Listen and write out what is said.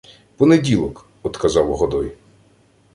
— Понеділок, — одказав Годой.